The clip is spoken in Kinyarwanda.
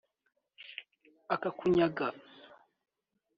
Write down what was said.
akakunyaga